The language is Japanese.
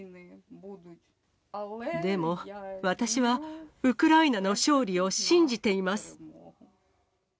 でも、私はウクライナの勝利を信じています。